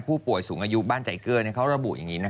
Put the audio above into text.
ผู้ป่วยสูงอายุบ้านใจเกลือเขาระบุอย่างนี้